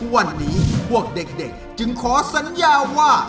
วันนี้พวกเด็กจึงขอสัญญาว่า